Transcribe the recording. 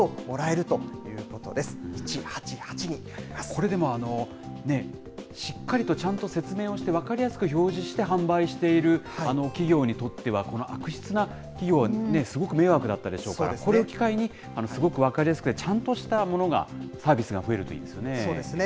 これでも、しっかりとちゃんと説明をして、分かりやすく表示して販売している企業にとっては、この悪質な企業はすごく迷惑だったでしょうから、これを機会に、すごく分かりやすくてちゃんとしたものが、サービスが増えるといいですよね。